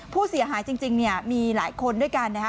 ผู้เสียหายจริงเนี่ยมีหลายคนด้วยกันนะฮะ